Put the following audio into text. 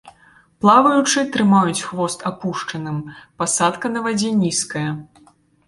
Плаваючы, трымаюць хвост апушчаным, пасадка на вадзе нізкая.